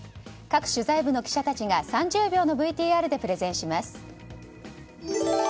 各取材部の記者たちが３０秒のＶＴＲでプレゼンします。